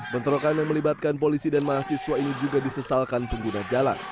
bentrokan yang melibatkan polisi dan mahasiswa ini juga disesalkan pengguna jalan